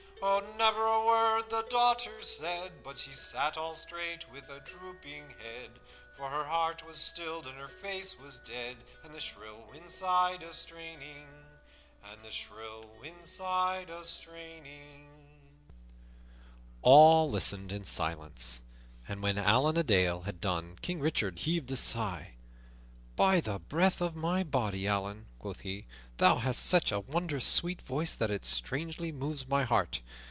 Oh, never a word the daughter said, But she sat all straight with a drooping head, For her heart was stilled and her face was dead: And the shrill wind sighed a straining_." All listened in silence; and when Allan a Dale had done King Richard heaved a sigh. "By the breath of my body, Allan," quoth he, "thou hast such a wondrous sweet voice that it strangely moves my heart.